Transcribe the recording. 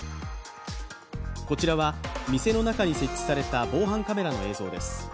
こちらは店の中に設置された防犯カメラの映像です。